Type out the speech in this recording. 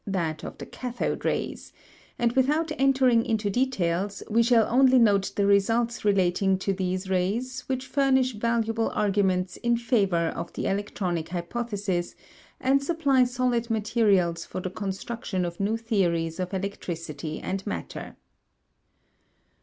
that of the cathode rays; and without entering into details, we shall only note the results relating to these rays which furnish valuable arguments in favour of the electronic hypothesis and supply solid materials for the construction of new theories of electricity and matter.